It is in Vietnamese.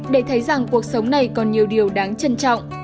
để thấy rằng cuộc sống này còn nhiều điều đáng trân trọng